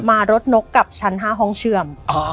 รถนกกับชั้น๕ห้องเชื่อม